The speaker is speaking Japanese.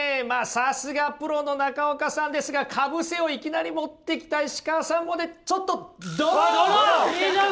まあさすがプロの中岡さんですがかぶせをいきなり持ってきた石川さんもねちょっとドロー！